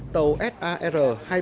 tàu sar hai nghìn bảy trăm linh một